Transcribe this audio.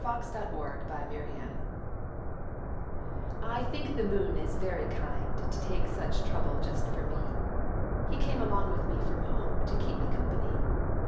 II The Kind Moon I think the moon is very kind To take such trouble just for me. He came along with me from home To keep me company.